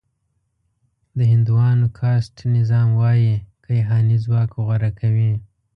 د هندوانو کاسټ نظام وايي کیهاني ځواک غوره کوي.